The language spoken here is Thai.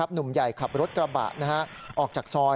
หนุ่มใหญ่ขับรถกระบะออกจากซอย